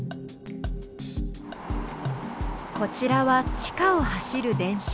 こちらは地下を走る電車。